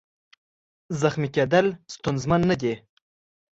زخمي کېدل ستونزمن نه دي.